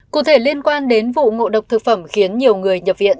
cụ thể liên quan đến vụ ngộ độc thực phẩm khiến nhiều người nhập viện